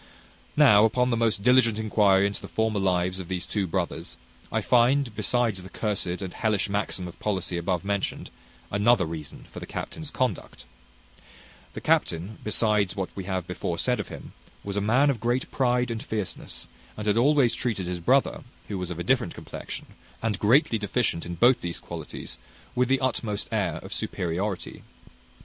Now, upon the most diligent enquiry into the former lives of these two brothers, I find, besides the cursed and hellish maxim of policy above mentioned, another reason for the captain's conduct: the captain, besides what we have before said of him, was a man of great pride and fierceness, and had always treated his brother, who was of a different complexion, and greatly deficient in both these qualities, with the utmost air of superiority.